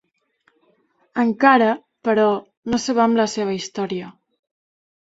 Encara, però, no sabem la seva història.